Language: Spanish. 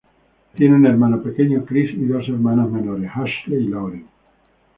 Tiene un hermano pequeño, Chris, y dos hermanas menores, Ashley y Lauren.